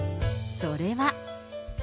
それは。